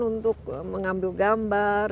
untuk mengambil gambar